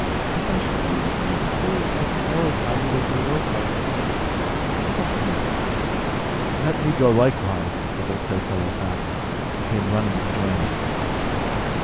If I should lose you, too, as well as my little Europa, what would become of me?" "And let me go likewise!" said their playfellow Thasus, who came running to join them.